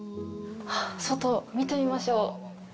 外、見てみましょう。